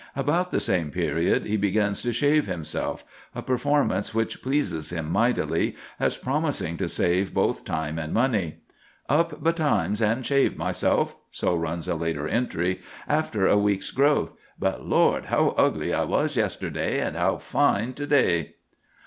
About the same period he begins to shave himself—a performance which pleases him "mightily," as promising to save both time and money. "Up betimes and shaved myself," so runs a later entry, "after a week's growth; but Lord! how ugly I was yesterday, and how fine to day."